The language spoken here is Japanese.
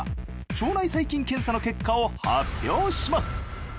腸内細菌検査の結果を発表します